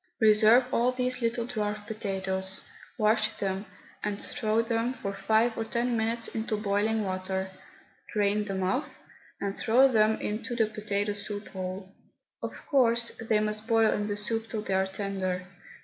Reserve all these little dwarf potatoes, wash them, and throw them for five or ten minutes into boiling water, drain them off and throw them into the potato soup whole. Of course they must boil in the soup till they are tender.